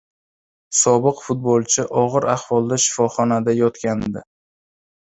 Sobiq futbolchi og‘ir ahvolda shifoxonada yotgandi